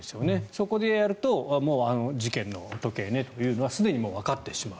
そこでやると事件の時計ねというのがすでにもうわかってしまう。